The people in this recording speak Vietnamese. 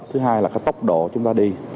thứ hai là cái tốc độ chúng ta đi